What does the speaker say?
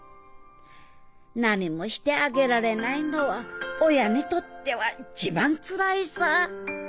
何もしてあげられないのは親にとっては一番つらいさぁ。